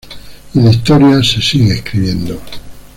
Y la historia se sigue escribiendo...